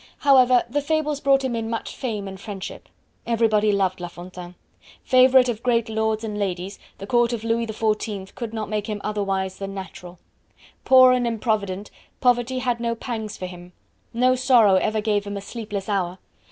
However, the Fables brought him much in fame and friendship. Everybody loved La Fontaine. Favorite of great lords and ladies, the court of Louis XIV could not make him otherwise than natural. Poor and improvident, poverty had no pangs for him. No sorrow ever gave him a sleepless hour.